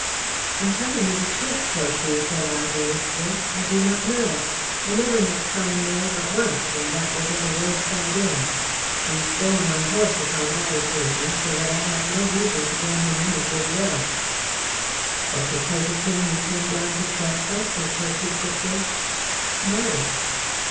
"I am telling you the truth, Tortue," said I, earnestly. "I do not know. I never met Cullen Mayle but once, and that was at a roadside inn. He stole my horse upon that occasion, so that I have no reason to bear him any goodwill." "But because of him you came down to Tresco?" said Tortue quickly. "No."